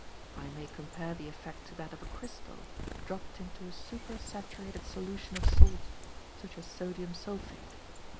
I may compare the effect to that of a crystal, dropped into a super saturated solution of a salt, such as sodium sulphate.